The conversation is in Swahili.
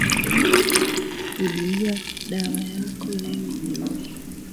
Kujia dawa yako leo jioni